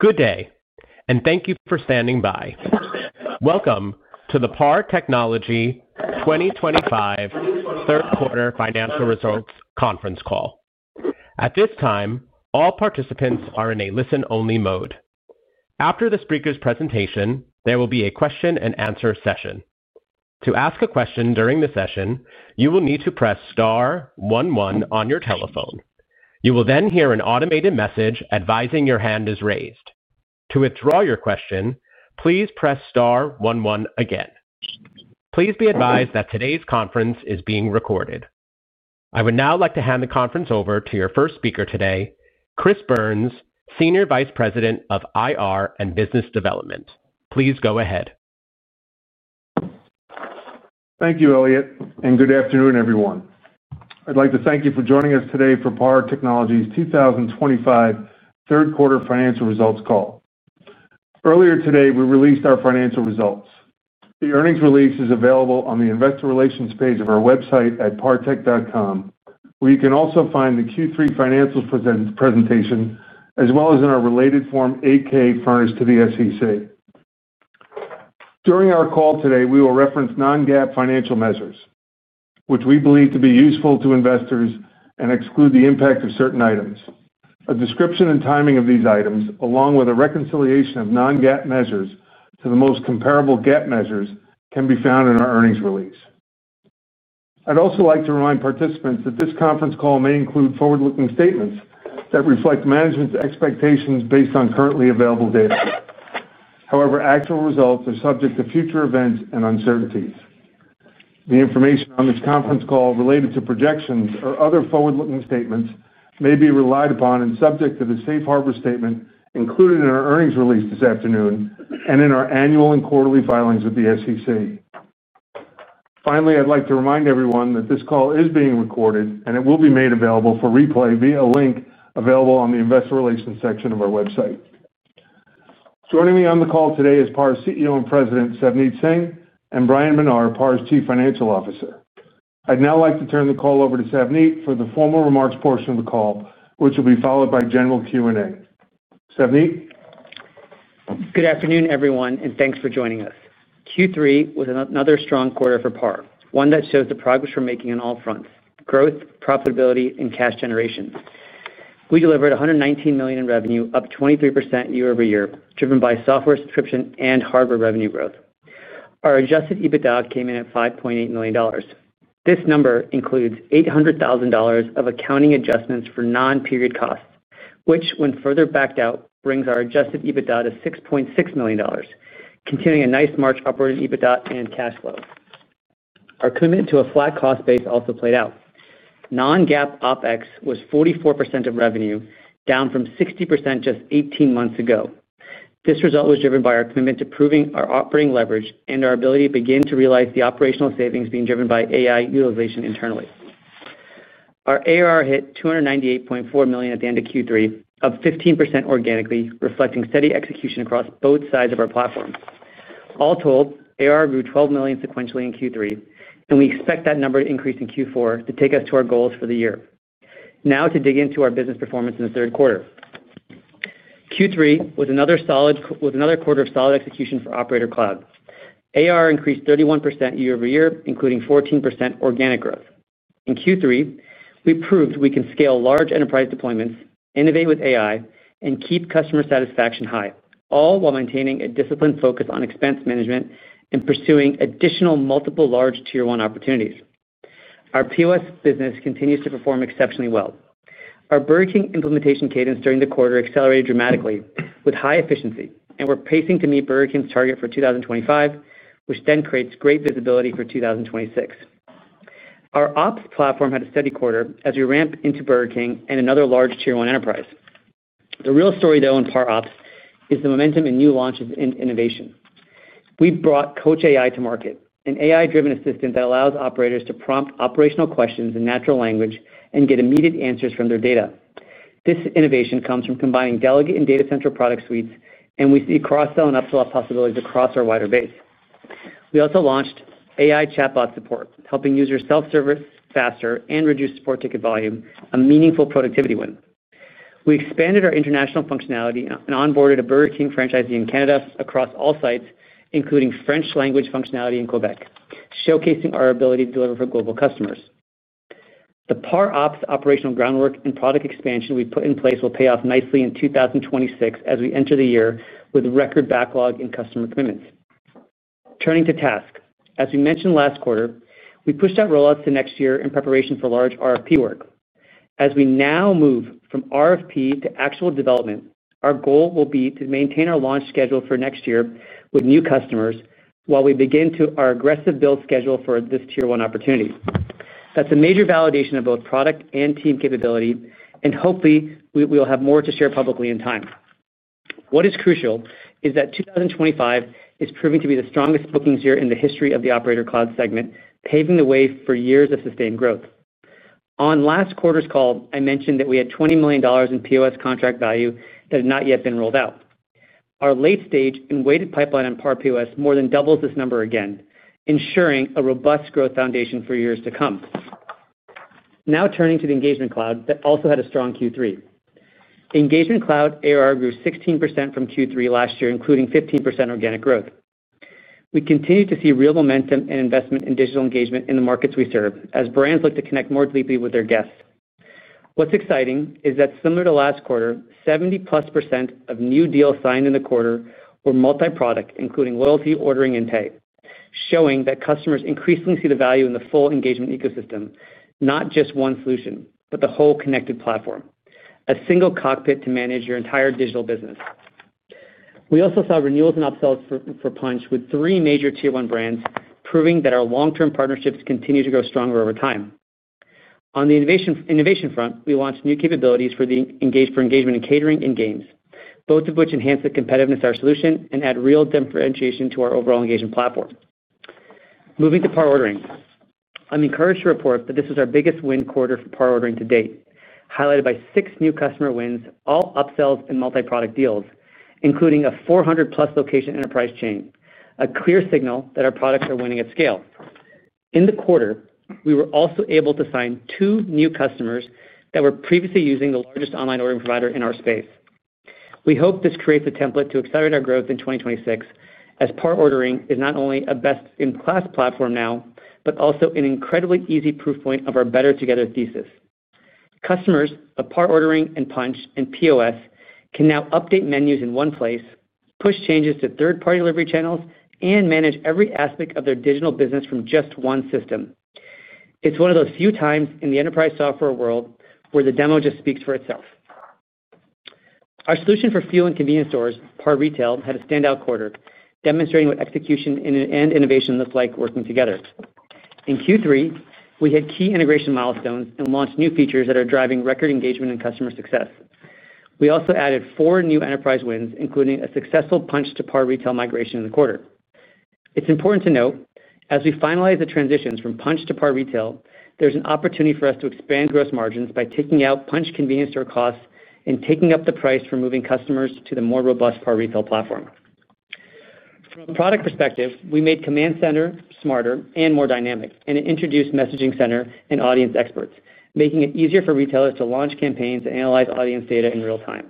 Good day, and thank you for standing by. Welcome to the PAR Technology 2025 Third Quarter Financial Results Conference Call. At this time, all participants are in a listen-only mode. After the speaker's presentation, there will be a question-and-answer session. To ask a question during the session, you will need to press star 11 on your telephone. You will then hear an automated message advising your hand is raised. To withdraw your question, please press star 11 again. Please be advised that today's conference is being recorded. I would now like to hand the conference over to your first speaker today, Chris Byrnes, Senior Vice President of IR and Business Development. Please go ahead. Thank you, Elliott, and good afternoon, everyone. I'd like to thank you for joining us today for PAR Technology's 2025 Third Quarter Financial Results Call. Earlier today, we released our financial results. The earnings release is available on the Investor Relations page of our website at partech.com, where you can also find the Q3 Financials presentation as well as in our related form, AKA Furnished to the SEC. During our call today, we will reference non-GAAP financial measures, which we believe to be useful to investors and exclude the impact of certain items. A description and timing of these items, along with a reconciliation of non-GAAP measures to the most comparable GAAP measures, can be found in our earnings release. I'd also like to remind participants that this conference call may include forward-looking statements that reflect management's expectations based on currently available data. However, actual results are subject to future events and uncertainties. The information on this conference call related to projections or other forward-looking statements may be relied upon and subject to the safe harbor statement included in our earnings release this afternoon and in our annual and quarterly filings with the SEC. Finally, I'd like to remind everyone that this call is being recorded and it will be made available for replay via a link available on the Investor Relations section of our website. Joining me on the call today is PAR's CEO and President, Savneet Singh, and Bryan Menar, PAR's Chief Financial Officer. I'd now like to turn the call over to Savneet for the formal remarks portion of the call, which will be followed by general Q&A. Savneet? Good afternoon, everyone, and thanks for joining us. Q3 was another strong quarter for PAR, one that shows the progress we're making on all fronts: growth, profitability, and cash generation. We delivered $119 million in revenue, up 23% year-over-year, driven by software subscription and hardware revenue growth. Our adjusted EBITDA came in at $5.8 million. This number includes $800,000 of accounting adjustments for non-period costs, which, when further backed out, brings our adjusted EBITDA to $6.6 million, continuing a nice march upward in EBITDA and cash flow. Our commitment to a flat cost base also played out. Non-GAAP OpEx was 44% of revenue, down from 60% just 18 months ago. This result was driven by our commitment to proving our operating leverage and our ability to begin to realize the operational savings being driven by AI utilization internally. Our ARR hit $298.4 million at the end of Q3, up 15% organically, reflecting steady execution across both sides of our platform. All told, ARR grew $12 million sequentially in Q3, and we expect that number to increase in Q4 to take us to our goals for the year. Now to dig into our business performance in the third quarter. Q3 was another quarter of solid execution for Operator Cloud. ARR increased 31% year-over-year, including 14% organic growth. In Q3, we proved we can scale large enterprise deployments, innovate with AI, and keep customer satisfaction high, all while maintaining a disciplined focus on expense management and pursuing additional multiple large tier-one opportunities. Our POS business continues to perform exceptionally well. Our Burger King implementation cadence during the quarter accelerated dramatically with high efficiency, and we're pacing to meet Burger King's target for 2025, which then creates great visibility for 2026. Our Ops platform had a steady quarter as we ramped into Burger King and another large tier-one enterprise. The real story, though, in PAR OPS is the momentum in new launches and innovation. We brought Coach AI to market, an AI-driven assistant that allows operators to prompt operational questions in natural language and get immediate answers from their data. This innovation comes from combining delegate and data-centric product suites, and we see cross-sell and upsell possibilities across our wider base. We also launched AI chatbot support, helping users self-service faster and reduce support ticket volume, a meaningful productivity win. We expanded our international functionality and onboarded a Burger King franchisee in Canada across all sites, including French-language functionality in Quebec, showcasing our ability to deliver for global customers. The PAR OPS operational groundwork and product expansion we've put in place will pay off nicely in 2026 as we enter the year with record backlog and customer commitments. Turning to TASK, as we mentioned last quarter, we pushed our rollouts to next year in preparation for large RFP work. As we now move from RFP to actual development, our goal will be to maintain our launch schedule for next year with new customers while we begin our aggressive build schedule for this tier-one opportunity. That's a major validation of both product and team capability, and hopefully, we will have more to share publicly in time. What is crucial is that 2025 is proving to be the strongest bookings year in the history of the Operator Cloud segment, paving the way for years of sustained growth. On last quarter's call, I mentioned that we had $20 million in POS contract value that had not yet been rolled out. Our late-stage and weighted pipeline in PAR POS more than doubles this number again, ensuring a robust growth foundation for years to come. Now turning to the Engagement Cloud that also had a strong Q3. Engagement Cloud ARR grew 16% from Q3 last year, including 15% organic growth. We continue to see real momentum and investment in digital engagement in the markets we serve as brands look to connect more deeply with their guests. What's exciting is that, similar to last quarter, 70%+ of new deals signed in the quarter were multi-product, including loyalty, ordering, and pay, showing that customers increasingly see the value in the full engagement ecosystem, not just one solution, but the whole connected platform, a single cockpit to manage your entire digital business. We also saw renewals and upsells for Punchh with three major tier-one brands, proving that our long-term partnerships continue to grow stronger over time. On the innovation front, we launched new capabilities for engagement and catering in games, both of which enhance the competitiveness of our solution and add real differentiation to our overall engagement platform. Moving to PAR Ordering, I'm encouraged to report that this was our biggest win quarter for PAR Ordering to date, highlighted by six new customer wins, all upsells and multi-product deals, including a 400+ location enterprise chain, a clear signal that our products are winning at scale. In the quarter, we were also able to sign two new customers that were previously using the largest online ordering provider in our space. We hope this creates a template to accelerate our growth in 2026, as PAR Ordering is not only a best-in-class platform now, but also an incredibly easy proof point of our better-together thesis. Customers of PAR Ordering and Punchh and POS can now update menus in one place, push changes to third-party delivery channels, and manage every aspect of their digital business from just one system. It's one of those few times in the enterprise software world where the demo just speaks for itself. Our solution for fuel and convenience stores, PAR Retail, had a standout quarter, demonstrating what execution and innovation look like working together. In Q3, we had key integration milestones and launched new features that are driving record engagement and customer success. We also added four new enterprise wins, including a successful Punchh-to-PAR Retail migration in the quarter. It's important to note, as we finalize the transitions from Punchh to PAR Retail, there's an opportunity for us to expand gross margins by taking out Punchh convenience store costs and taking up the price for moving customers to the more robust PAR Retail platform. From a product perspective, we made Command Center smarter and more dynamic, and it introduced Messaging Center and Audience Experts, making it easier for retailers to launch campaigns and analyze audience data in real time.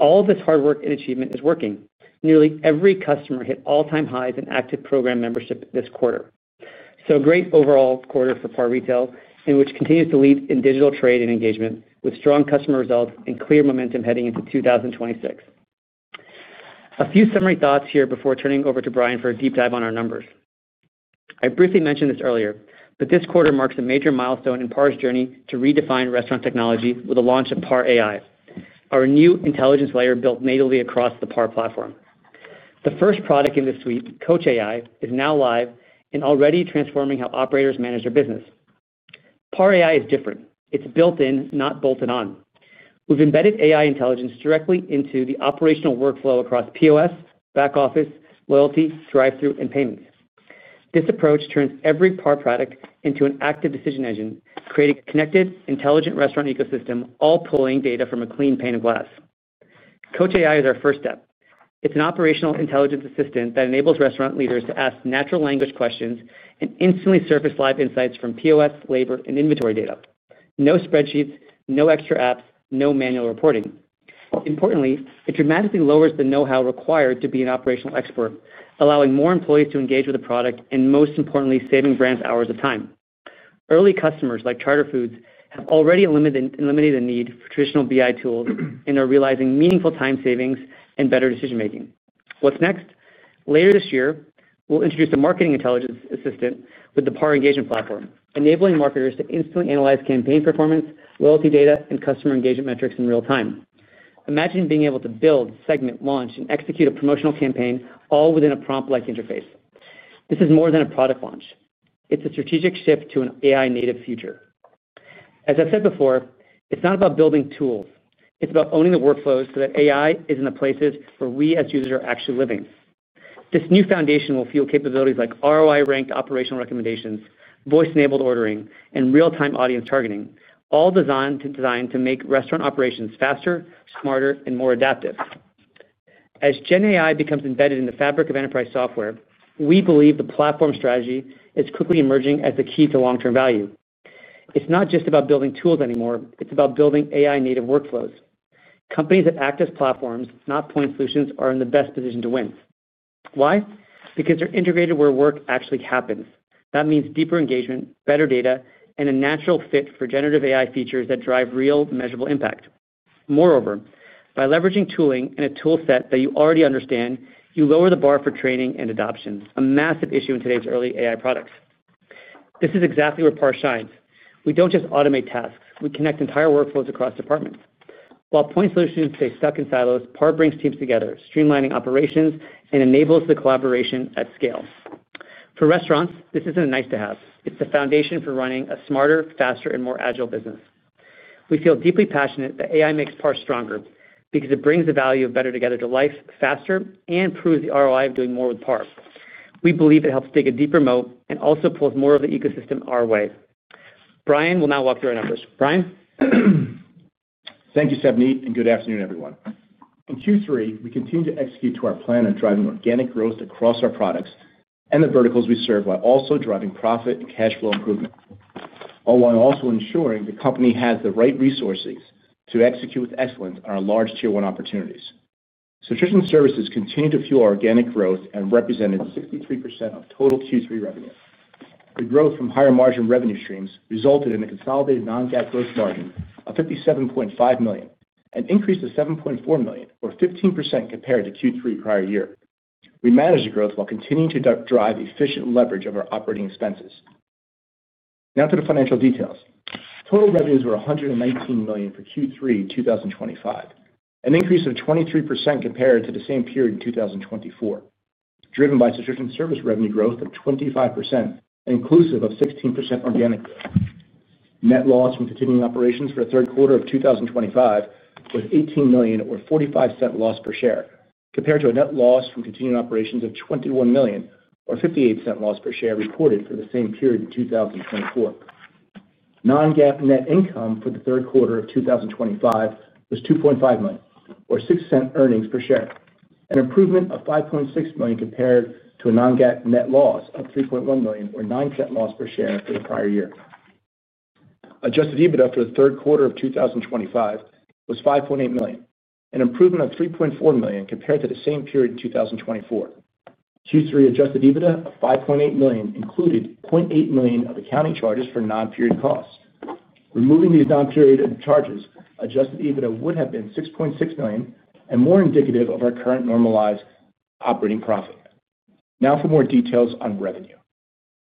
All of this hard work and achievement is working. Nearly every customer hit all-time highs in active program membership this quarter. A great overall quarter for PAR Retail, which continues to lead in digital trade and engagement with strong customer results and clear momentum heading into 2026. A few summary thoughts here before turning over to Bryan for a deep dive on our numbers. I briefly mentioned this earlier, but this quarter marks a major milestone in PAR's journey to redefine restaurant technology with the launch of PAR AI, our new intelligence layer built natively across the PAR platform. The first product in this suite, Coach AI, is now live and already transforming how operators manage their business. PAR AI is different. It's built-in, not bolted on. We've embedded AI intelligence directly into the operational workflow across POS, back office, loyalty, drive-through, and payments. This approach turns every PAR product into an active decision engine, creating a connected, intelligent restaurant ecosystem, all pulling data from a clean pane of glass. Coach AI is our first step. It's an operational intelligence assistant that enables restaurant leaders to ask natural language questions and instantly surface live insights from POS, labor, and inventory data. No spreadsheets, no extra apps, no manual reporting. Importantly, it dramatically lowers the know-how required to be an operational expert, allowing more employees to engage with the product and, most importantly, saving brands hours of time. Early customers like Charter Foods have already eliminated the need for traditional BI tools and are realizing meaningful time savings and better decision-making. What's next? Later this year, we'll introduce a marketing intelligence assistant with the PAR engagement platform, enabling marketers to instantly analyze campaign performance, loyalty data, and customer engagement metrics in real time. Imagine being able to build, segment, launch, and execute a promotional campaign all within a prompt-like interface. This is more than a product launch. It's a strategic shift to an AI-native future. As I've said before, it's not about building tools. It's about owning the workflows so that AI is in the places where we as users are actually living. This new foundation will fuel capabilities like ROI-ranked operational recommendations, voice-enabled ordering, and real-time audience targeting, all designed to make restaurant operations faster, smarter, and more adaptive. As GenAI becomes embedded in the fabric of enterprise software, we believe the platform strategy is quickly emerging as the key to long-term value. It's not just about building tools anymore. It's about building AI-native workflows. Companies that act as platforms, not point solutions, are in the best position to win. Why? Because they're integrated where work actually happens. That means deeper engagement, better data, and a natural fit for generative AI features that drive real, measurable impact. Moreover, by leveraging tooling and a tool set that you already understand, you lower the bar for training and adoption, a massive issue in today's early AI products. This is exactly where PAR shines. We don't just automate tasks. We connect entire workflows across departments. While point solutions stay stuck in silos, PAR brings teams together, streamlining operations and enables the collaboration at scale. For restaurants, this isn't a nice-to-have. It's the foundation for running a smarter, faster, and more agile business. We feel deeply passionate that AI makes PAR stronger because it brings the value of Better Together to life faster and proves the ROI of doing more with PAR. We believe it helps dig a deeper moat and also pulls more of the ecosystem our way. Bryan will now walk through our numbers. Bryan. Thank you, Savneet, and good afternoon, everyone. In Q3, we continue to execute to our plan of driving organic growth across our products and the verticals we serve while also driving profit and cash flow improvement, while also ensuring the company has the right resources to execute with excellence on our large tier-one opportunities. Subscription services continue to fuel our organic growth and represented 63% of total Q3 revenue. The growth from higher margin revenue streams resulted in a consolidated non-GAAP gross margin of $57.5 million and increased to $7.4 million, or 15% compared to Q3 prior year. We managed the growth while continuing to drive efficient leverage of our operating expenses. Now to the financial details. Total revenues were $119 million for Q3 2025, an increase of 23% compared to the same period in 2024, driven by subscription service revenue growth of 25%, inclusive of 16% organic growth. Net loss from continuing operations for the third quarter of 2025 was $18 million, or $0.45 loss per share, compared to a net loss from continuing operations of $21 million, or $0.58 loss per share reported for the same period in 2024. Non-GAAP net income for the third quarter of 2025 was $2.5 million, or $0.06 earnings per share, an improvement of $5.6 million compared to a non-GAAP net loss of $3.1 million, or $0.09 loss per share for the prior year. Adjusted EBITDA for the third quarter of 2025 was $5.8 million, an improvement of $3.4 million compared to the same period in 2024. Q3 adjusted EBITDA of $5.8 million included $0.8 million of accounting charges for non-period costs. Removing these non-period charges, adjusted EBITDA would have been $6.6 million and more indicative of our current normalized operating profit. Now for more details on revenue.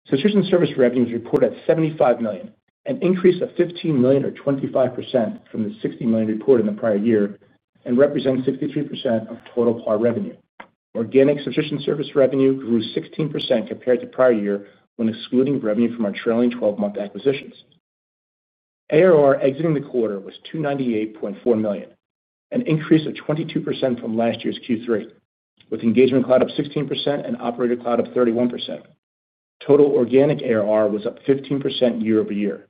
Subscription service revenue was reported at $75 million, an increase of $15 million, or 25% from the $60 million reported in the prior year, and represents 63% of total PAR revenue. Organic subscription service revenue grew 16% compared to the prior year when excluding revenue from our trailing 12-month acquisitions. ARR exiting the quarter was $298.4 million, an increase of 22% from last year's Q3, with Engagement Cloud up 16% and Operator Cloud up 31%. Total organic ARR was up 15% year-over-year.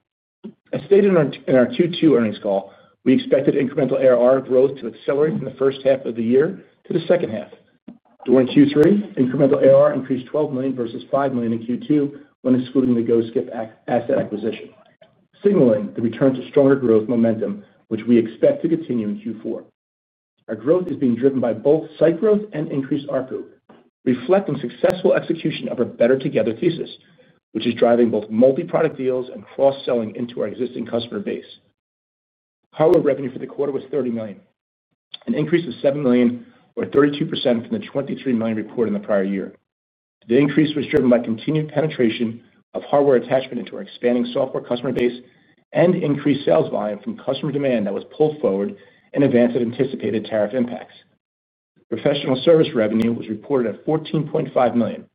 As stated in our Q2 earnings call, we expected incremental ARR growth to accelerate from the first half of the year to the second half. During Q3, incremental ARR increased $12 million versus $5 million in Q2 when excluding the GoSkip asset acquisition, signaling the return to stronger growth momentum, which we expect to continue in Q4. Our growth is being driven by both site growth and increased RFO, reflecting successful execution of our Better Together thesis, which is driving both multi-product deals and cross-selling into our existing customer base. Hardware revenue for the quarter was $30 million, an increase of $7 million, or 32% from the $23 million reported in the prior year. The increase was driven by continued penetration of hardware attachment into our expanding software customer base and increased sales volume from customer demand that was pulled forward and advanced to anticipated tariff impacts. Professional service revenue was reported at $14.5 million,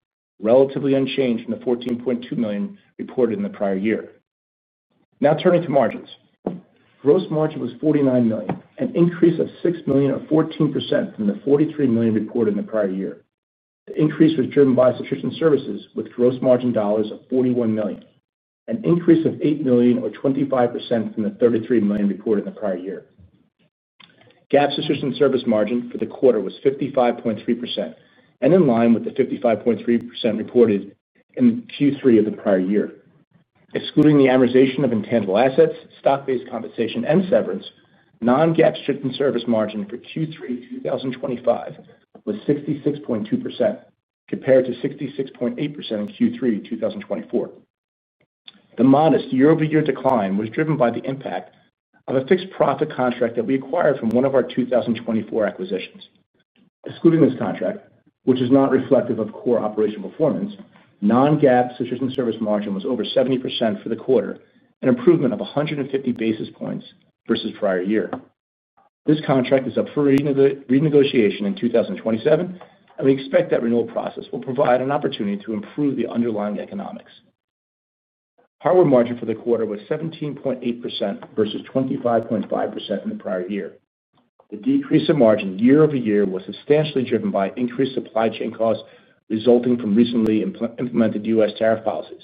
relatively unchanged from the $14.2 million reported in the prior year. Now turning to margins. Gross margin was $49 million, an increase of $6 million, or 14% from the $43 million reported in the prior year. The increase was driven by subscription services with gross margin dollars of $41 million, an increase of $8 million, or 25% from the $33 million reported in the prior year. GAAP subscription service margin for the quarter was 55.3%, and in line with the 55.3% reported in Q3 of the prior year. Excluding the amortization of intangible assets, stock-based compensation, and severance, non-GAAP subscription service margin for Q3 2025 was 66.2% compared to 66.8% in Q3 2024. The modest year-over-year decline was driven by the impact of a fixed-profit contract that we acquired from one of our 2024 acquisitions. Excluding this contract, which is not reflective of core operational performance, non-GAAP subscription service margin was over 70% for the quarter, an improvement of 150 basis points versus the prior year. This contract is up for renegotiation in 2027, and we expect that renewal process will provide an opportunity to improve the underlying economics. Hardware margin for the quarter was 17.8% versus 25.5% in the prior year. The decrease in margin year-over-year was substantially driven by increased supply chain costs resulting from recently implemented U.S. tariff policies.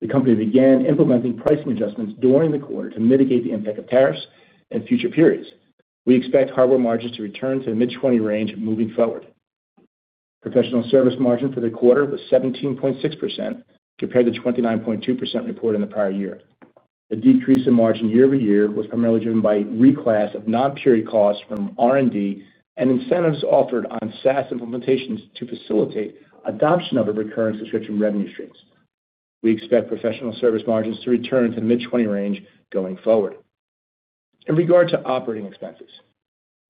The company began implementing pricing adjustments during the quarter to mitigate the impact of tariffs in future periods. We expect hardware margins to return to the mid-20% range moving forward. Professional service margin for the quarter was 17.6% compared to 29.2% reported in the prior year. The decrease in margin year-over-year was primarily driven by reclass of non-period costs from R&D and incentives offered on SaaS implementations to facilitate adoption of recurring subscription revenue streams. We expect professional service margins to return to the mid-20% range going forward. In regard to operating expenses,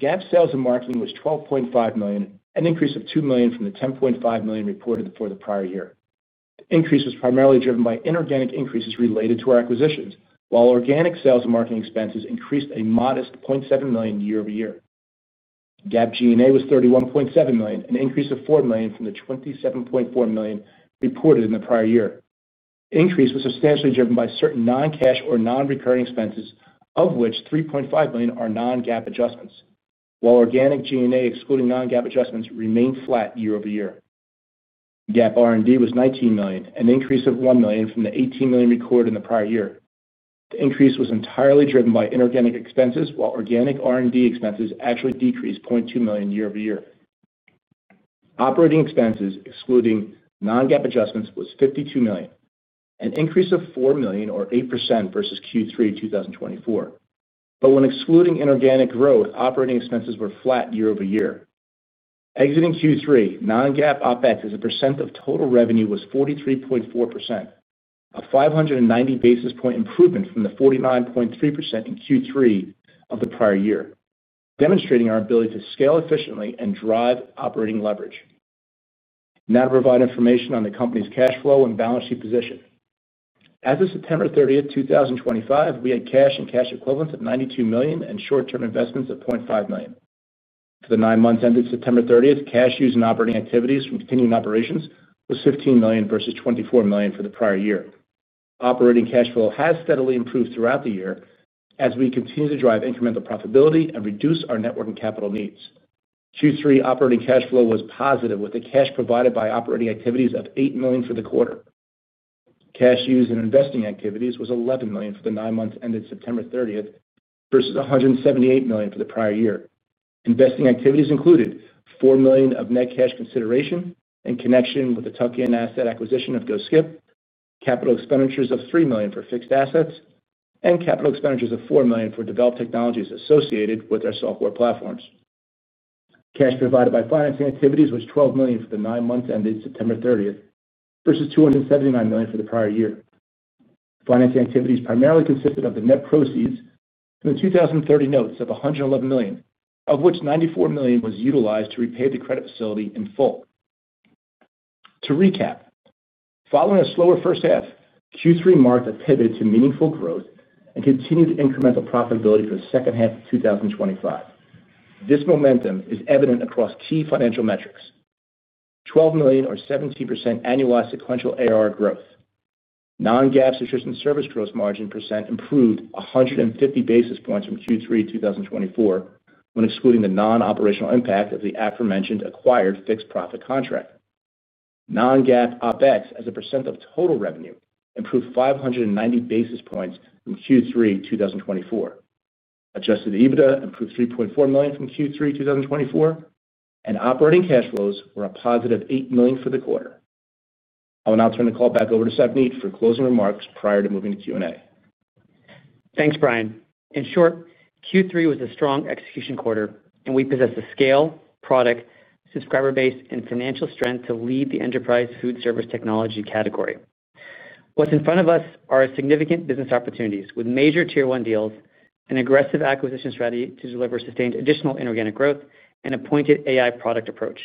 GAAP sales and marketing was $12.5 million, an increase of $2 million from the $10.5 million reported for the prior year. The increase was primarily driven by inorganic increases related to our acquisitions, while organic sales and marketing expenses increased a modest $0.7 million year-over-year. GAAP G&A was $31.7 million, an increase of $4 million from the $27.4 million reported in the prior year. The increase was substantially driven by certain non-cash or non-recurring expenses, of which $3.5 million are non-GAAP adjustments, while organic G&A, excluding non-GAAP adjustments, remained flat year-over-year. GAAP R&D was $19 million, an increase of $1 million from the $18 million recorded in the prior year. The increase was entirely driven by inorganic expenses, while organic R&D expenses actually decreased $0.2 million year-over-year. Operating expenses, excluding non-GAAP adjustments, was $52 million, an increase of $4 million, or 8% versus Q3 2024. When excluding inorganic growth, operating expenses were flat year-over-year. Exiting Q3, non-GAAP OpEx as a percent of total revenue was 43.4%. A 590 basis point improvement from the 49.3% in Q3 of the prior year, demonstrating our ability to scale efficiently and drive operating leverage. Now to provide information on the company's cash flow and balance sheet position. As of September 30, 2025, we had cash and cash equivalents of $92 million and short-term investments of $0.5 million. For the nine months ended September 30th, cash used in operating activities from continuing operations was $15 million versus $24 million for the prior year. Operating cash flow has steadily improved throughout the year as we continue to drive incremental profitability and reduce our network and capital needs. Q3 operating cash flow was positive, with the cash provided by operating activities of $8 million for the quarter. Cash used in investing activities was $11 million for the nine months ended September 30th versus $178 million for the prior year. Investing activities included $4 million of net cash consideration in connection with the Tuckman asset acquisition of GoSkip, capital expenditures of $3 million for fixed assets, and capital expenditures of $4 million for developed technologies associated with our software platforms. Cash provided by financing activities was $12 million for the nine months ended September 30th versus $279 million for the prior year. Financing activities primarily consisted of the net proceeds from the 2030 notes of $111 million, of which $94 million was utilized to repay the credit facility in full. To recap, following a slower first half, Q3 marked a pivot to meaningful growth and continued incremental profitability for the second half of 2025. This momentum is evident across key financial metrics. $12 million, or 17% annualized sequential ARR growth. Non-GAAP subscription service gross margin % improved 150 basis points from Q3 2024 when excluding the non-operational impact of the aforementioned acquired fixed-profit contract. Non-GAAP OpEx as a % of total revenue improved 590 basis points from Q3 2024. Adjusted EBITDA improved $3.4 million from Q3 2024, and operating cash flows were a positive $8 million for the quarter. I will now turn the call back over to Savneet for closing remarks prior to moving to Q&A. Thanks, Bryan. In short, Q3 was a strong execution quarter, and we possess the scale, product, subscriber base, and financial strength to lead the enterprise food service technology category. What's in front of us are significant business opportunities with major tier-one deals and aggressive acquisition strategy to deliver sustained additional inorganic growth and a pointed AI product approach.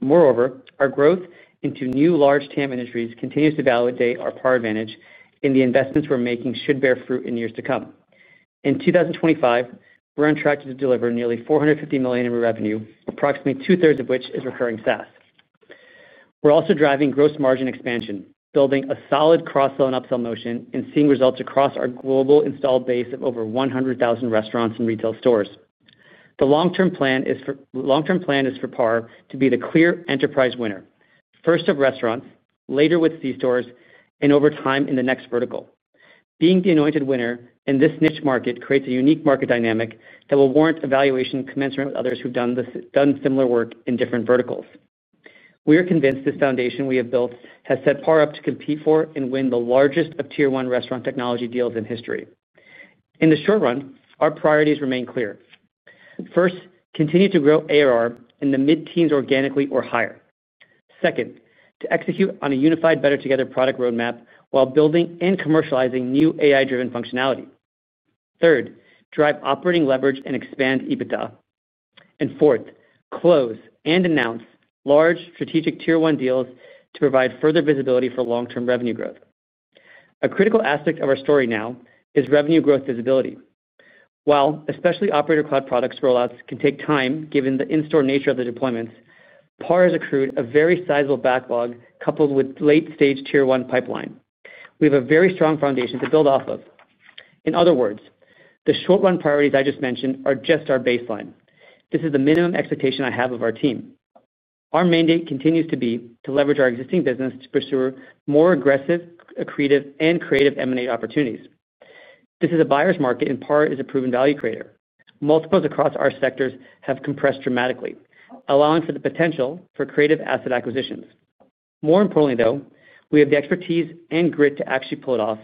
Moreover, our growth into new large TAM industries continues to validate our PAR advantage in the investments we're making should bear fruit in years to come. In 2025, we're on track to deliver nearly $450 million in revenue, approximately two-thirds of which is recurring SaaS. We're also driving gross margin expansion, building a solid cross-sell and upsell motion, and seeing results across our global installed base of over 100,000 restaurants and retail stores. The long-term plan is for PAR to be the clear enterprise winner, first of restaurants, later with C-stores, and over time in the next vertical. Being the anointed winner in this niche market creates a unique market dynamic that will warrant evaluation commencement with others who've done similar work in different verticals. We are convinced this foundation we have built has set PAR up to compete for and win the largest of tier-one restaurant technology deals in history. In the short run, our priorities remain clear. First, continue to grow ARR in the mid-teens organically or higher. Second, to execute on a unified Better Together product roadmap while building and commercializing new AI-driven functionality. Third, drive operating leverage and expand EBITDA. Fourth, close and announce large strategic tier-one deals to provide further visibility for long-term revenue growth. A critical aspect of our story now is revenue growth visibility. While especially Operator Cloud products rollouts can take time given the in-store nature of the deployments, PAR has accrued a very sizable backlog coupled with late-stage tier-one pipeline. We have a very strong foundation to build off of. In other words, the short-run priorities I just mentioned are just our baseline. This is the minimum expectation I have of our team. Our mandate continues to be to leverage our existing business to pursue more aggressive, accretive, and creative M&A opportunities. This is a buyer's market, and PAR is a proven value creator. Multiples across our sectors have compressed dramatically, allowing for the potential for creative asset acquisitions. More importantly, though, we have the expertise and grit to actually pull it off.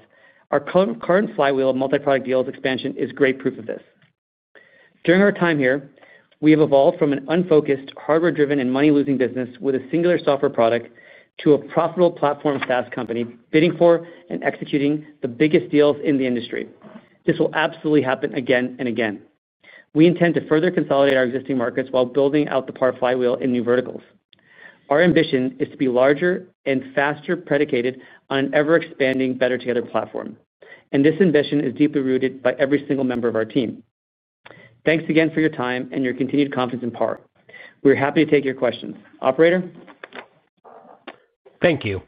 Our current flywheel of multi-product deals expansion is great proof of this. During our time here, we have evolved from an unfocused, hardware-driven, and money-losing business with a singular software product to a profitable platform SaaS company bidding for and executing the biggest deals in the industry. This will absolutely happen again and again. We intend to further consolidate our existing markets while building out the PAR flywheel in new verticals. Our ambition is to be larger and faster predicated on an ever-expanding Better Together platform. This ambition is deeply rooted by every single member of our team. Thanks again for your time and your continued confidence in PAR. We're happy to take your questions. Operator? Thank you.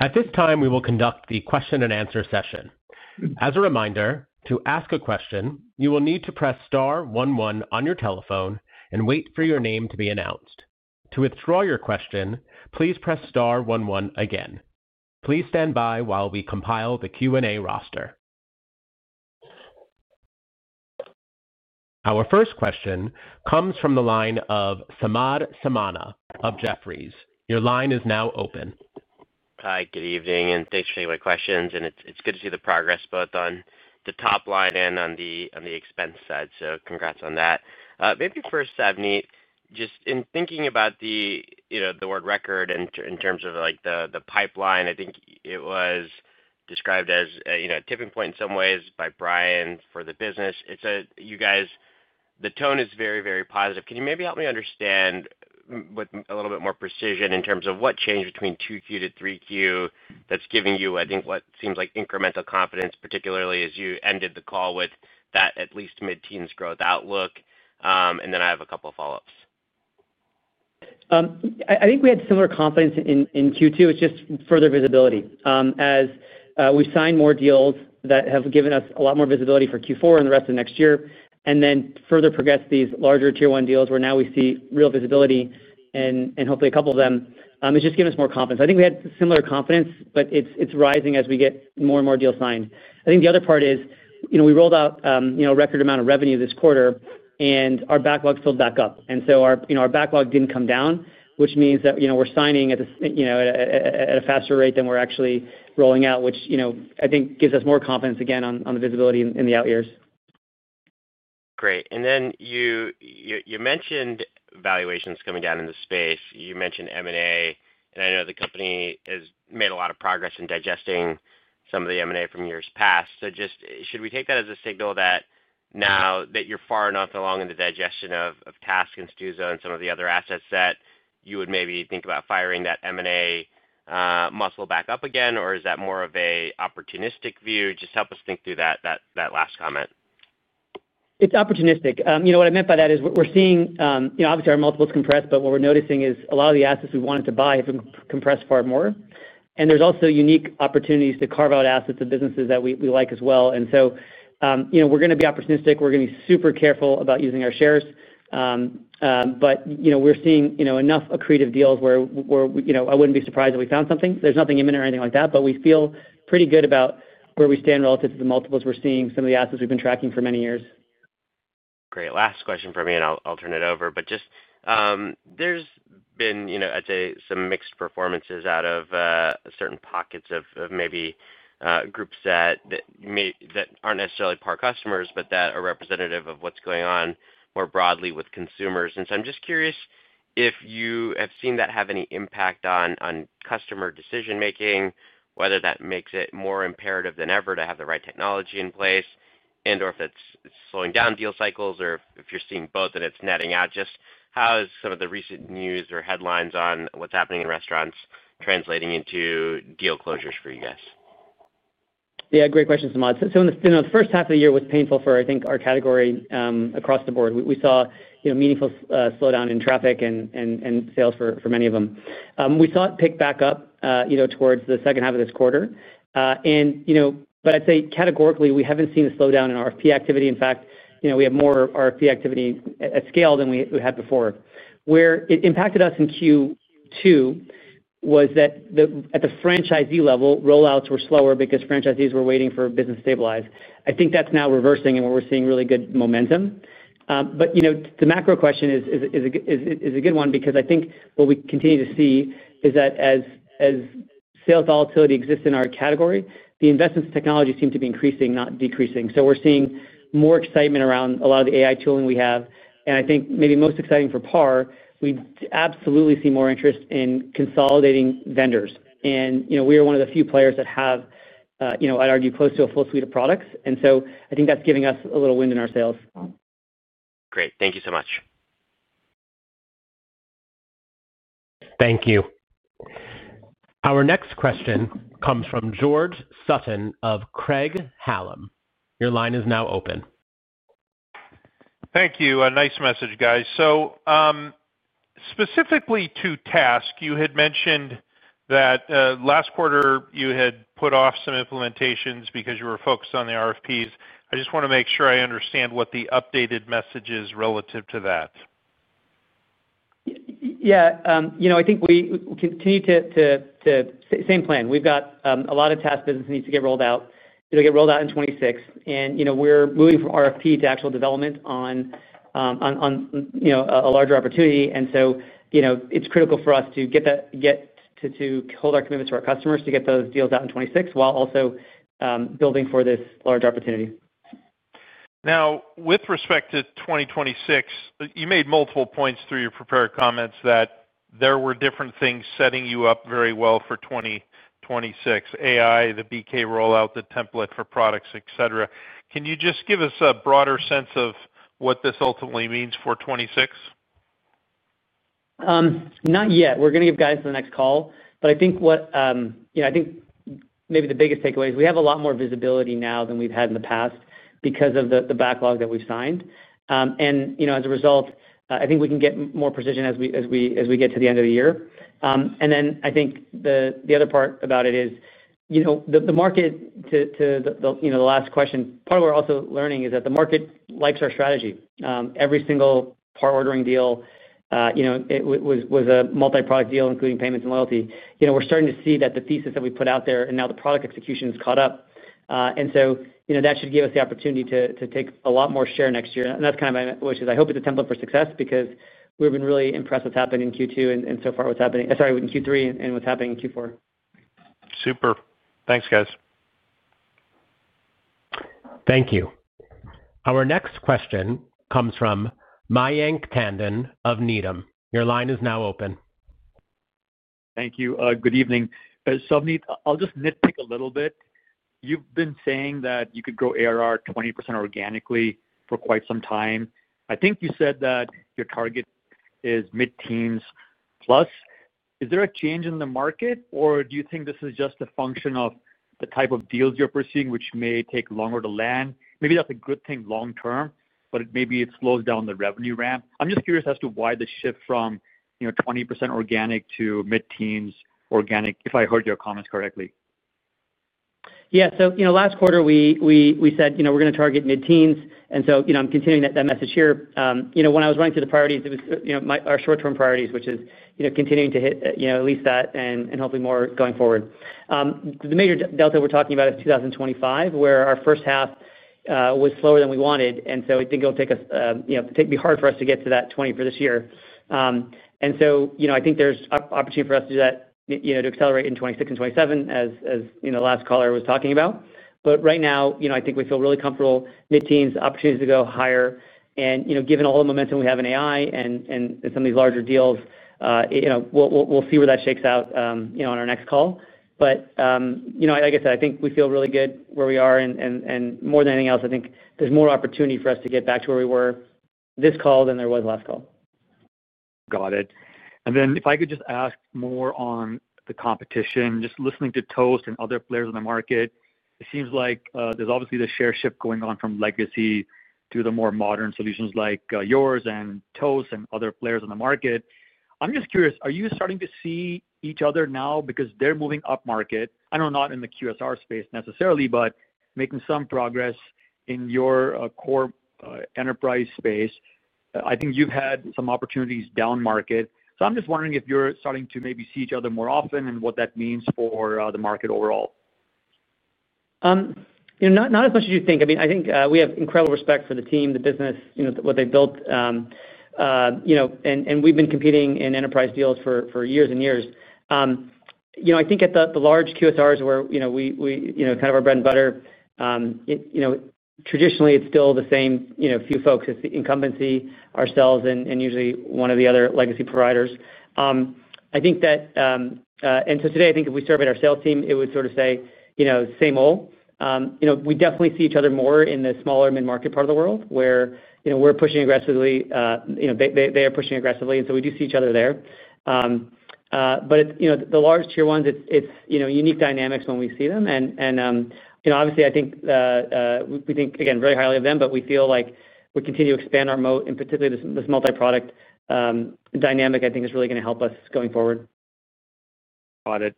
At this time, we will conduct the question-and-answer session. As a reminder, to ask a question, you will need to press star 11 on your telephone and wait for your name to be announced. To withdraw your question, please press star 11 again. Please stand by while we compile the Q&A roster. Our first question comes from the line of Samad Samana of Jefferies. Your line is now open. Hi, good evening, and thanks for taking my questions. It's good to see the progress both on the top line and on the expense side, so congrats on that. Maybe first, Savneet, just in thinking about the word record in terms of the pipeline, I think it was described as a tipping point in some ways by Bryan for the business. You guys, the tone is very, very positive. Can you maybe help me understand with a little bit more precision in terms of what changed between 2Q to 3Q that's giving you, I think, what seems like incremental confidence, particularly as you ended the call with that at least mid-teens growth outlook? I have a couple of follow-ups. I think we had similar confidence in Q2. It's just further visibility. As we signed more deals that have given us a lot more visibility for Q4 and the rest of next year, and then further progressed these larger tier-one deals where now we see real visibility and hopefully a couple of them, it's just given us more confidence. I think we had similar confidence, but it's rising as we get more and more deals signed. I think the other part is we rolled out a record amount of revenue this quarter, and our backlog filled back up. Our backlog didn't come down, which means that we're signing at a faster rate than we're actually rolling out, which I think gives us more confidence again on the visibility in the out years. Great. You mentioned valuations coming down in the space. You mentioned M&A, and I know the company has made a lot of progress in digesting some of the M&A from years past. Should we take that as a signal that now that you're far enough along in the digestion of TASK and Stuzo and some of the other assets that you would maybe think about firing that M&A muscle back up again, or is that more of an opportunistic view? Just help us think through that last comment. It's opportunistic. What I meant by that is we're seeing, obviously, our multiples compressed, but what we're noticing is a lot of the assets we wanted to buy have been compressed far more. There are also unique opportunities to carve out assets and businesses that we like as well. We're going to be opportunistic. We're going to be super careful about using our shares. We're seeing enough accretive deals where I wouldn't be surprised if we found something. There's nothing imminent or anything like that, but we feel pretty good about where we stand relative to the multiples we're seeing in some of the assets we've been tracking for many years. Great. Last question for me, and I'll turn it over. There's been, I'd say, some mixed performances out of certain pockets of maybe groups that aren't necessarily PAR customers, but that are representative of what's going on more broadly with consumers. I'm just curious if you have seen that have any impact on customer decision-making, whether that makes it more imperative than ever to have the right technology in place, and/or if it's slowing down deal cycles, or if you're seeing both and it's netting out. Just how is some of the recent news or headlines on what's happening in restaurants translating into deal closures for you guys? Yeah, great question, Samad. In the first half of the year, it was painful for, I think, our category across the board. We saw a meaningful slowdown in traffic and sales for many of them. We saw it pick back up towards the second half of this quarter. I'd say categorically, we haven't seen a slowdown in RFP activity. In fact, we have more RFP activity at scale than we had before. Where it impacted us in Q2 was that at the franchisee level, rollouts were slower because franchisees were waiting for business to stabilize. I think that's now reversing, and we're seeing really good momentum. The macro question is a good one because I think what we continue to see is that as sales volatility exists in our category, the investments in technology seem to be increasing, not decreasing. We're seeing more excitement around a lot of the AI tooling we have. I think maybe most exciting for PAR, we absolutely see more interest in consolidating vendors. We are one of the few players that have, I'd argue, close to a full suite of products. I think that's giving us a little wind in our sails. Great. Thank you so much. Thank you. Our next question comes from George Sutton of Craig-Hallum. Your line is now open. Thank you. Nice message, guys. Specifically to TASK, you had mentioned that last quarter you had put off some implementations because you were focused on the RFPs. I just want to make sure I understand what the updated message is relative to that. Yeah. I think we continue to. Same plan. We've got a lot of TASK business needs to get rolled out. It'll get rolled out in 2026. We're moving from RFP to actual development on a larger opportunity. It is critical for us to hold our commitments to our customers to get those deals out in 2026 while also building for this large opportunity. Now, with respect to 2026, you made multiple points through your prepared comments that there were different things setting you up very well for 2026: AI, the BK rollout, the template for products, etc. Can you just give us a broader sense of what this ultimately means for 2026? Not yet. We're going to give guys the next call. I think what I think maybe the biggest takeaway is we have a lot more visibility now than we've had in the past because of the backlog that we've signed. As a result, I think we can get more precision as we get to the end of the year. I think the other part about it is the market, to the last question, part of what we're also learning is that the market likes our strategy. Every single PAR Ordering deal was a multi-product deal, including payments and loyalty. We're starting to see that the thesis that we put out there and now the product execution has caught up. That should give us the opportunity to take a lot more share next year. That's kind of what I wish. I hope it's a template for success because we've been really impressed with what's happened in Q2 and so far what's happening—sorry, in Q3 and what's happening in Q4. Super. Thanks, guys. Thank you. Our next question comes from Mayank Tandon of Needham. Your line is now open. Thank you. Good evening. I'll just nitpick a little bit. You've been saying that you could grow ARR 20% organically for quite some time. I think you said that your target is mid-teens plus. Is there a change in the market, or do you think this is just a function of the type of deals you're pursuing, which may take longer to land? Maybe that's a good thing long-term, but maybe it slows down the revenue ramp. I'm just curious as to why the shift from 20% organic to mid-teens organic, if I heard your comments correctly. Yeah. Last quarter, we said we're going to target mid-teens. I'm continuing that message here. When I was running through the priorities, it was our short-term priorities, which is continuing to hit at least that and hopefully more going forward. The major delta we're talking about is 2025, where our first half was slower than we wanted. I think it'll take us—it'd be hard for us to get to that 20% for this year. I think there's opportunity for us to do that, to accelerate in 2026 and 2027, as the last caller was talking about. Right now, I think we feel really comfortable mid-teens, opportunities to go higher. Given all the momentum we have in AI and some of these larger deals, we'll see where that shakes out on our next call. Like I said, I think we feel really good where we are. More than anything else, I think there's more opportunity for us to get back to where we were this call than there was last call. Got it. If I could just ask more on the competition, just listening to Toast and other players in the market, it seems like there's obviously the share shift going on from legacy to the more modern solutions like yours and Toast and other players in the market. I'm just curious, are you starting to see each other now because they're moving up market? I know not in the QSR space necessarily, but making some progress in your core enterprise space. I think you've had some opportunities down market. I'm just wondering if you're starting to maybe see each other more often and what that means for the market overall. Not as much as you think. I mean, I think we have incredible respect for the team, the business, what they've built. And we've been competing in enterprise deals for years and years. I think at the large QSRs where we kind of our bread and butter. Traditionally, it's still the same few folks: it's the incumbency, ourselves, and usually one of the other legacy providers. I think that. Today, I think if we surveyed our sales team, it would sort of say same old. We definitely see each other more in the smaller mid-market part of the world where we're pushing aggressively. They are pushing aggressively. We do see each other there. The large tier ones, it's unique dynamics when we see them. Obviously, I think. We think, again, very highly of them, but we feel like we continue to expand our moat, and particularly this multi-product dynamic, I think, is really going to help us going forward. Got it.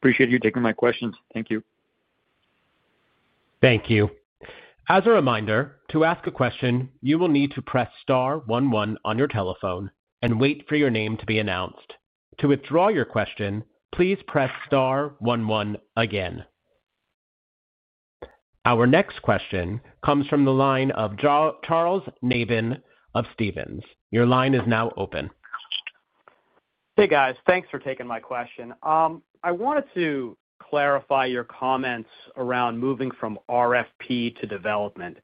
Appreciate you taking my questions. Thank you. Thank you. As a reminder, to ask a question, you will need to press star 11 on your telephone and wait for your name to be announced. To withdraw your question, please press star 11 again. Our next question comes from the line of Charles Nabhan of Stephens. Your line is now open. Hey, guys. Thanks for taking my question. I wanted to clarify your comments around moving from RFP to development.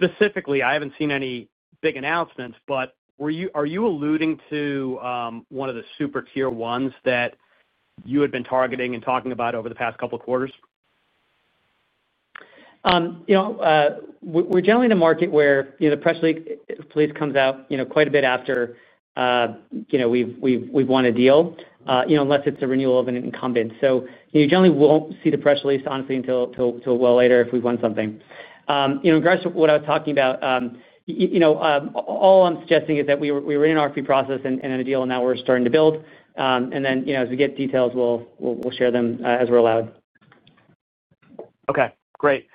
Specifically, I haven't seen any big announcements, but are you alluding to one of the super tier ones that you had been targeting and talking about over the past couple of quarters? We're generally in a market where the press release comes out quite a bit after. We've won a deal, unless it's a renewal of an incumbent. You generally won't see the press release, honestly, until well later if we've won something. In regards to what I was talking about, all I'm suggesting is that we were in an RFP process and in a deal, and now we're starting to build. As we get details, we'll share them as we're allowed. Okay. Great.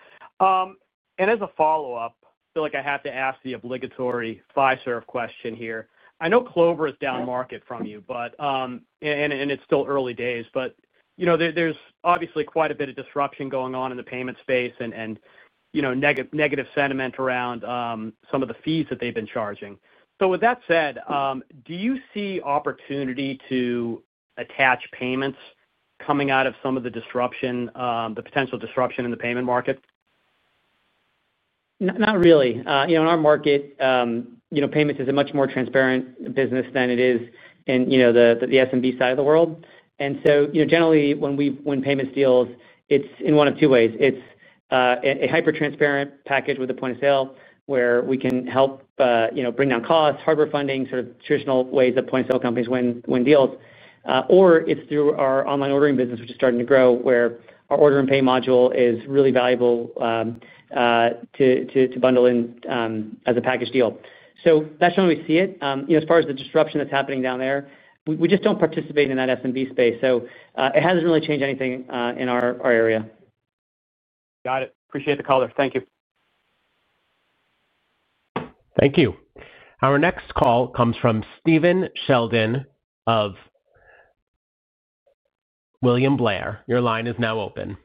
As a follow-up, I feel like I have to ask the obligatory Fiserv question here. I know Clover is down market from you. It's still early days, but there's obviously quite a bit of disruption going on in the payment space and negative sentiment around some of the fees that they've been charging. With that said, do you see opportunity to attach payments coming out of some of the disruption, the potential disruption in the payment market? Not really. In our market, payments is a much more transparent business than it is in the SMB side of the world. Generally, when payments deals, it is in one of two ways. It is a hypertransparent package with a point of sale where we can help bring down costs, hardware funding, sort of traditional ways that point of sale companies win deals. Or it is through our online ordering business, which is starting to grow, where our order and pay module is really valuable to bundle in as a package deal. That is how we see it. As far as the disruption that is happening down there, we just do not participate in that SMB space. It has not really changed anything in our area. Got it. Appreciate the call there. Thank you. Thank you. Our next call comes from Stephen Sheldon of William Blair. Your line is now open.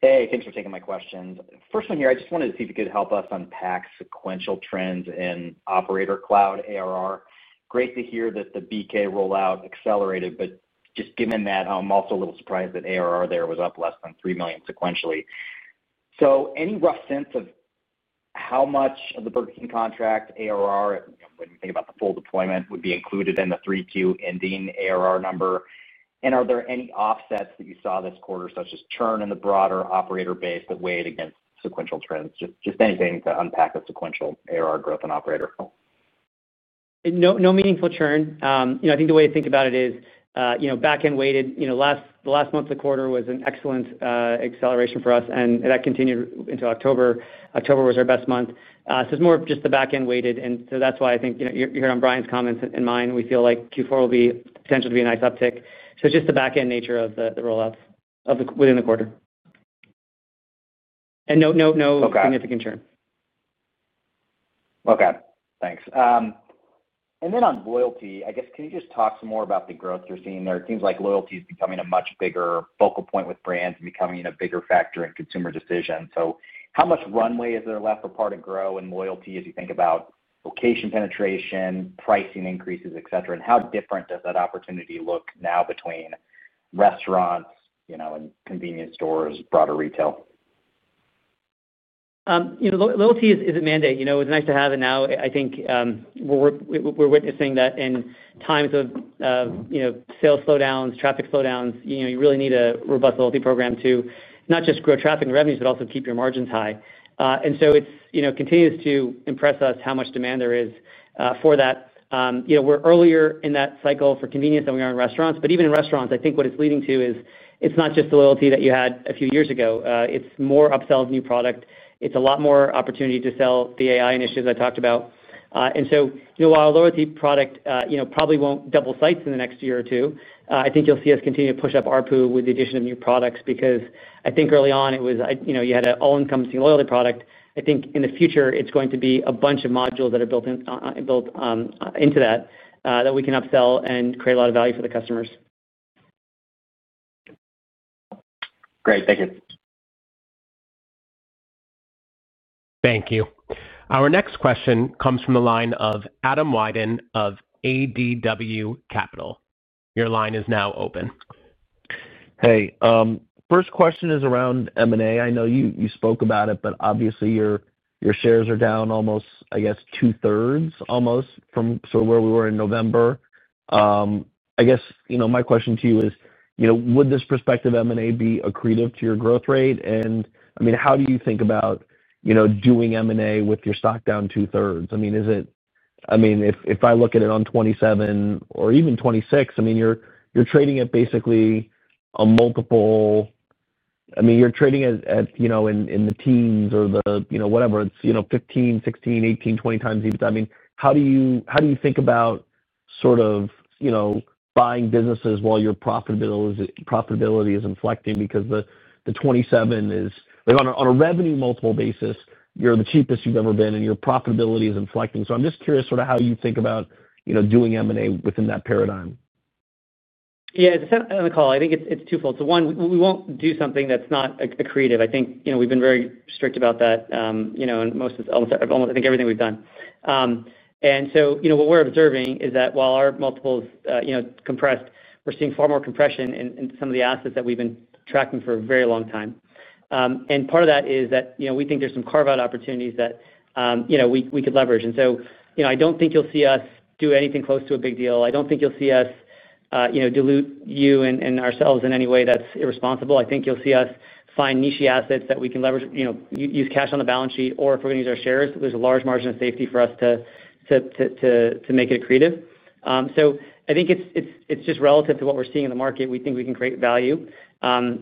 Hey, thanks for taking my questions. First one here, I just wanted to see if you could help us unpack sequential trends in Operator Cloud ARR. Great to hear that the BK rollout accelerated, but just given that, I'm also a little surprised that ARR there was up less than $3 million sequentially. Any rough sense of how much of the Burger King contract ARR, when you think about the full deployment, would be included in the 3Q ending ARR number? Are there any offsets that you saw this quarter, such as churn in the broader operator base that weighed against sequential trends? Just anything to unpack the sequential ARR growth in operator. No meaningful churn. I think the way I think about it is back-end weighted. The last month of the quarter was an excellent acceleration for us, and that continued into October. October was our best month. It is more of just the back-end weighted. That is why I think you heard on Bryan's comments and mine, we feel like Q4 will potentially be a nice uptick. It is just the back-end nature of the rollouts within the quarter. No significant churn. Okay. Thanks. On loyalty, I guess, can you just talk some more about the growth you're seeing there? It seems like loyalty is becoming a much bigger focal point with brands and becoming a bigger factor in consumer decision. How much runway is there left for PAR to grow in loyalty as you think about location penetration, pricing increases, etc.? How different does that opportunity look now between restaurants and convenience stores, broader retail? Loyalty is a mandate. It's nice to have it now, I think. We're witnessing that in times of sales slowdowns, traffic slowdowns, you really need a robust loyalty program to not just grow traffic and revenues, but also keep your margins high. It continues to impress us how much demand there is for that. We're earlier in that cycle for convenience than we are in restaurants. Even in restaurants, I think what it's leading to is it's not just the loyalty that you had a few years ago. It's more upsell of new product. It's a lot more opportunity to sell the AI initiatives I talked about. While a loyalty product probably won't double sites in the next year or two, I think you'll see us continue to push up our pool with the addition of new products because I think early on, you had an all-encompassing loyalty product. I think in the future, it's going to be a bunch of modules that are built into that that we can upsell and create a lot of value for the customers. Great. Thank you. Thank you. Our next question comes from the line of Adam Wyden of ADW Capital. Your line is now open. Hey. First question is around M&A. I know you spoke about it, but obviously, your shares are down almost, I guess, two-thirds almost from sort of where we were in November. I guess my question to you is, would this prospective M&A be accretive to your growth rate? I mean, how do you think about doing M&A with your stock down 2/3? I mean, if I look at it on 2027 or even 2026, I mean, you're trading at basically a multiple. I mean, you're trading in the teens or the whatever. It's 15x, 16x, 18x, 20x even. I mean, how do you think about sort of buying businesses while your profitability is inflecting? Because the 2027 is, on a revenue multiple basis, you're the cheapest you've ever been, and your profitability is inflecting. I'm just curious sort of how you think about doing M&A within that paradigm. Yeah. On the call, I think it's twofold. One, we won't do something that's not accretive. I think we've been very strict about that in most, almost everything we've done. What we're observing is that while our multiples compressed, we're seeing far more compression in some of the assets that we've been tracking for a very long time. Part of that is that we think there's some carve-out opportunities that we could leverage. I don't think you'll see us do anything close to a big deal. I don't think you'll see us dilute you and ourselves in any way that's irresponsible. I think you'll see us find niche assets that we can use cash on the balance sheet or if we're going to use our shares, there's a large margin of safety for us to make it accretive. I think it's just relative to what we're seeing in the market. We think we can create value.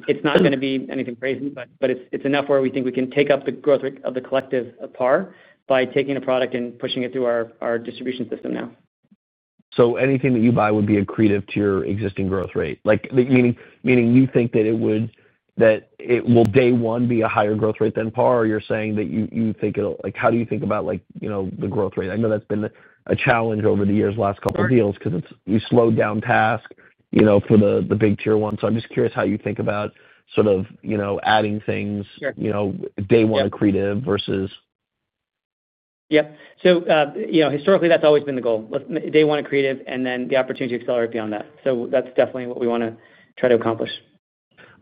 It's not going to be anything crazy, but it's enough where we think we can take up the growth of the collective PAR by taking a product and pushing it through our distribution system now. Anything that you buy would be accretive to your existing growth rate? Meaning you think that it will, day one, be a higher growth rate than PAR, or you're saying that you think it'll—how do you think about the growth rate? I know that's been a challenge over the years, last couple of deals, because you slowed down TASK for the big tier one. I'm just curious how you think about sort of adding things, day one accretive versus. Yep. Historically, that's always been the goal. Day one accretive and then the opportunity to accelerate beyond that. That's definitely what we want to try to accomplish.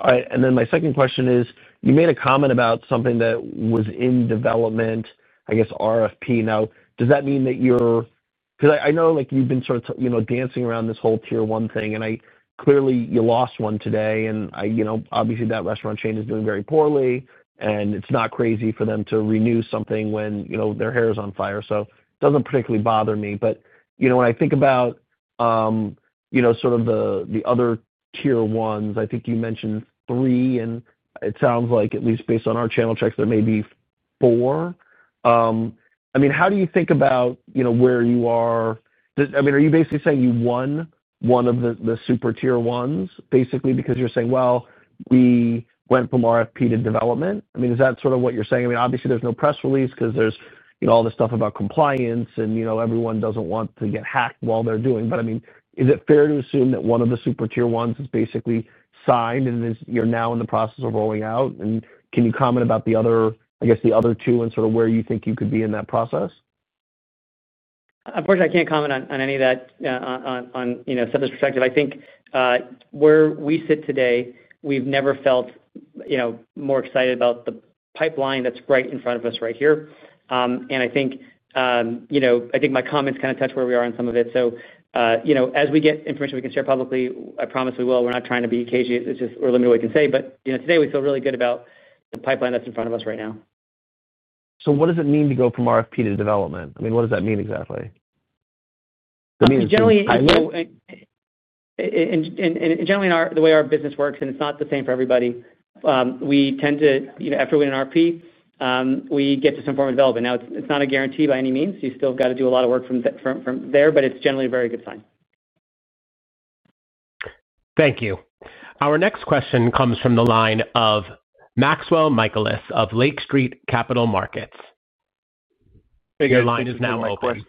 All right. My second question is, you made a comment about something that was in development, I guess, RFP. Now, does that mean that you're—because I know you've been sort of dancing around this whole tier one thing, and clearly, you lost one today. Obviously, that restaurant chain is doing very poorly, and it's not crazy for them to renew something when their hair is on fire. It does not particularly bother me. When I think about sort of the other tier ones, I think you mentioned three, and it sounds like, at least based on our channel checks, there may be four. I mean, how do you think about where you are? Are you basically saying you won one of the super tier ones, basically, because you're saying, "We went from RFP to development"? I mean, is that sort of what you're saying? I mean, obviously, there's no press release because there's all this stuff about compliance, and everyone doesn't want to get hacked while they're doing it. I mean, is it fair to assume that one of the super tier ones is basically signed and you're now in the process of rolling out? Can you comment about, I guess, the other two and sort of where you think you could be in that process? Unfortunately, I can't comment on any of that. On Seth's perspective, I think where we sit today, we've never felt more excited about the pipeline that's right in front of us right here. I think my comments kind of touch where we are on some of it. As we get information we can share publicly, I promise we will. We're not trying to be cagey. It's just we're limited to what we can say. Today, we feel really good about the pipeline that's in front of us right now. What does it mean to go from RFP to development? I mean, what does that mean exactly? Generally, the way our business works, and it's not the same for everybody, we tend to, after we're in RFP, we get to some form of development. Now, it's not a guarantee by any means. You still got to do a lot of work from there, but it's generally a very good sign. Thank you. Our next question comes from the line of Maxwell Michaelis of Lake Street Capital Markets. Your line is now open.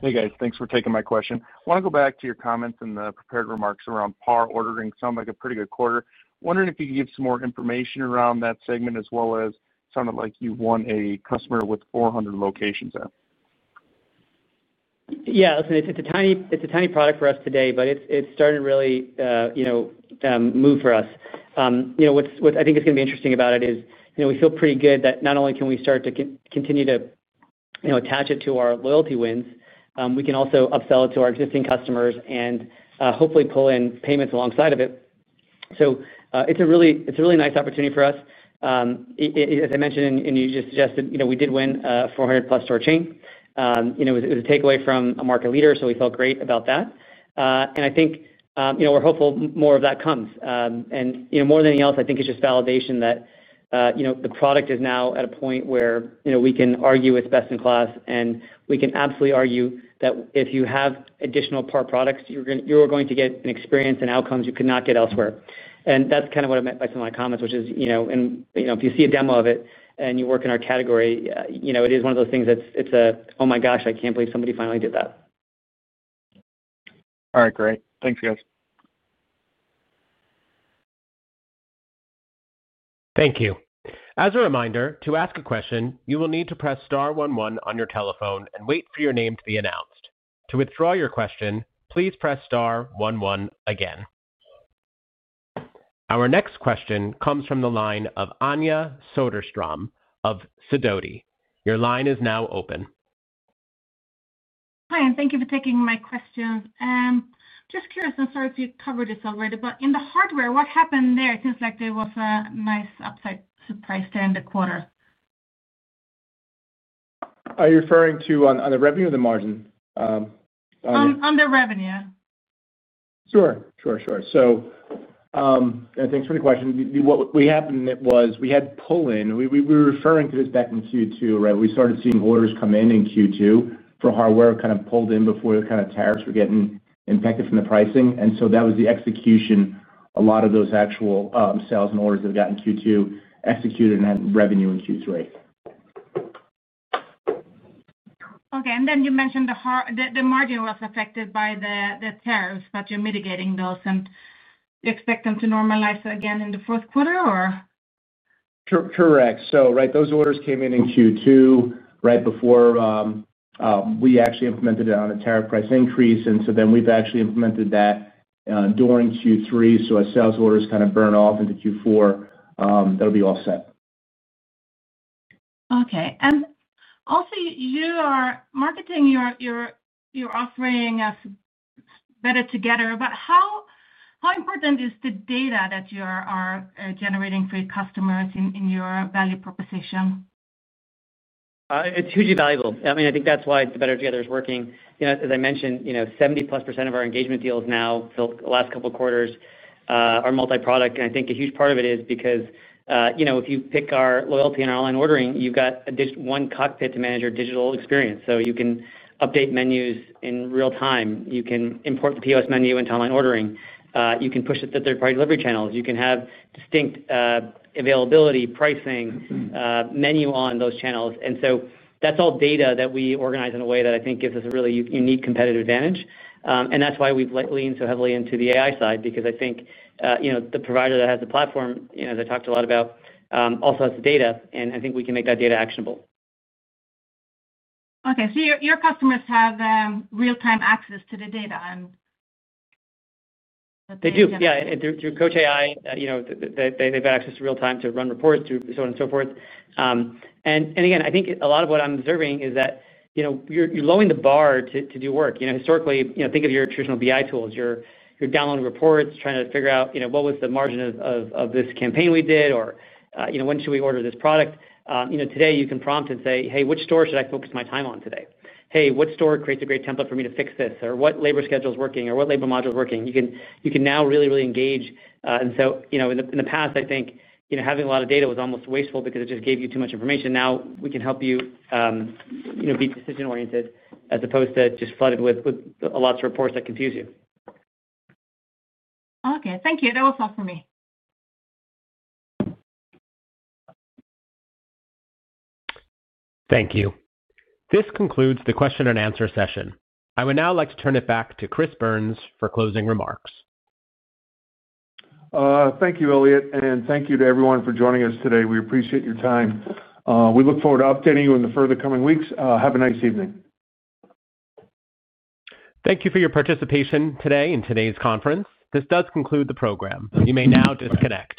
Hey, guys. Thanks for taking my question. I want to go back to your comments and the prepared remarks around PAR Ordering. Sounds like a pretty good quarter. Wondering if you could give some more information around that segment as well as sounded like you won a customer with 400 locations there. Yeah. Listen, it's a tiny product for us today, but it's starting to really move for us. I think what's going to be interesting about it is we feel pretty good that not only can we start to continue to attach it to our loyalty wins, we can also upsell it to our existing customers and hopefully pull in payments alongside of it. It's a really nice opportunity for us. As I mentioned, and you just suggested, we did win a 400+ store chain. It was a takeaway from a market leader, so we felt great about that. I think we're hopeful more of that comes. More than anything else, I think it's just validation that. The product is now at a point where we can argue it's best in class, and we can absolutely argue that if you have additional PAR products, you're going to get an experience and outcomes you could not get elsewhere. That's kind of what I meant by some of my comments, which is if you see a demo of it and you work in our category, it is one of those things that it's a, "Oh my gosh, I can't believe somebody finally did that. All right. Great. Thanks, guys. Thank you. As a reminder, to ask a question, you will need to press star 11 on your telephone and wait for your name to be announced. To withdraw your question, please press star 11 again. Our next question comes from the line of Anja Soderstrom of Sidoti. Your line is now open. Hi. Thank you for taking my questions. Just curious, I'm sorry if you covered this already, but in the hardware, what happened there? It seems like there was a nice upside surprise there in the quarter. Are you referring to on the revenue or the margin? On the revenue. Sure. Thanks for the question. What happened was we had pull-in. We were referring to this back in Q2, right? We started seeing orders come in in Q2 for hardware kind of pulled in before the kind of tariffs were getting impacted from the pricing. That was the execution. A lot of those actual sales and orders that we got in Q2 executed and had revenue in Q3. Okay. You mentioned the margin was affected by the tariffs, but you're mitigating those, and you expect them to normalize again in the fourth quarter? Correct. Right, those orders came in in Q2 right before. We actually implemented it on a tariff price increase. We actually implemented that during Q3. As sales orders kind of burn off into Q4, that'll be all set. Okay. Also, you are marketing your offering, Better Together. How important is the data that you are generating for your customers in your value proposition? It's hugely valuable. I mean, I think that's why the Better Together is working. As I mentioned, 70+% of our engagement deals now, the last couple of quarters, are multi-product. I think a huge part of it is because if you pick our loyalty and our online ordering, you've got one cockpit to manage your digital experience. You can update menus in real time. You can import the POS menu into online ordering. You can push it to third-party delivery channels. You can have distinct availability, pricing, menu on those channels. That's all data that we organize in a way that I think gives us a really unique competitive advantage. That's why we've leaned so heavily into the AI side because I think the provider that has the platform, as I talked a lot about, also has the data. I think we can make that data actionable. Okay. So your customers have real-time access to the data. They do. Yeah. Through Coach AI. They have access real-time to run reports, so on and so forth. Again, I think a lot of what I'm observing is that you are lowering the bar to do work. Historically, think of your traditional BI tools. You are downloading reports, trying to figure out what was the margin of this campaign we did, or when should we order this product? Today, you can prompt and say, "Hey, which store should I focus my time on today? Hey, what store creates a great template for me to fix this? Or what labor schedule is working? Or what labor module is working?" You can now really, really engage. In the past, I think having a lot of data was almost wasteful because it just gave you too much information. Now, we can help you. Be decision-oriented as opposed to just flooded with lots of reports that confuse you. Okay. Thank you. That was all for me. Thank you. This concludes the question and answer session. I would now like to turn it back to Chris Byrnes for closing remarks. Thank you, Ilya. Thank you to everyone for joining us today. We appreciate your time. We look forward to updating you in the further coming weeks. Have a nice evening. Thank you for your participation today in today's conference. This does conclude the program. You may now disconnect.